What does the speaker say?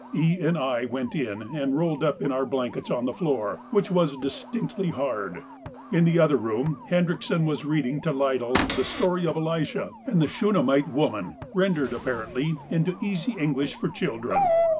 E. and I went in and rolled up in our blankets on the floor, which was distinctly hard. In the other room Hendrickson was reading to Lydell the story of Elisha and the Shunammite woman, rendered apparently into easy English for children.